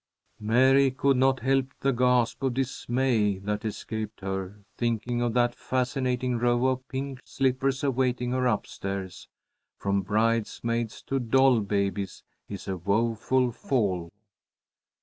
Mary could not help the gasp of dismay that escaped her, thinking of that fascinating row of pink slippers awaiting her up stairs. From bridesmaids to doll babies is a woful fall.